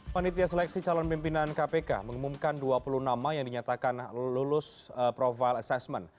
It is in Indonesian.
panitia seleksi calon pimpinan kpk mengumumkan dua puluh nama yang dinyatakan lulus profile assessment